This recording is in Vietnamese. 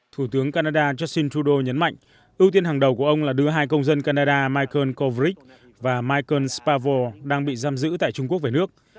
thủ tướng canada justin trudeau nhấn mạnh ưu tiên hàng đầu của ông là đứa hai công dân canada michael kovric và michael spavor đang bị giam giữ tại trung quốc về nước